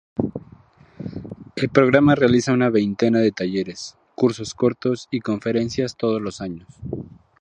El programa realiza una veintena de talleres, cursos cortos y conferencias todos los años.